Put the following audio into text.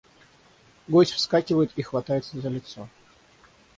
Гость вскакивает и хватается за лицо.